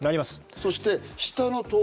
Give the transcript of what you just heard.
そして下の通り